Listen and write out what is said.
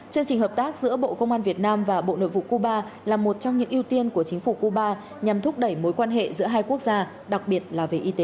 chương trình hợp tác giữa bộ công an việt nam và bộ nội vụ cuba là một trong những ưu tiên của chính phủ cuba nhằm thúc đẩy mối quan hệ giữa hai quốc gia đặc biệt là về y tế